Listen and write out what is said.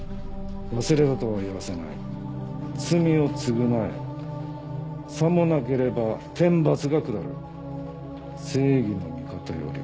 「忘れたとは言わせない」「罪をつぐなえ」「さもなければ天罰がくだる」「正義の味方より」